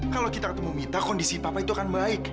kalau kita ketemu mita kondisi papa itu akan baik